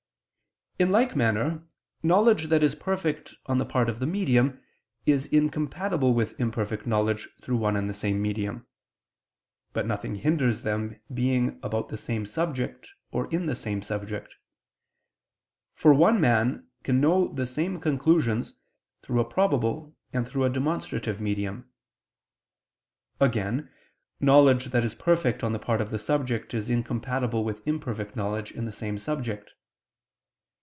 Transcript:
In like manner knowledge that is perfect on the part of the medium is incompatible with imperfect knowledge through one and the same medium: but nothing hinders them being about the same subject or in the same subject: for one man can know the same conclusions through a probable and through a demonstrative medium. Again, knowledge that is perfect on the part of the subject is incompatible with imperfect knowledge in the same subject.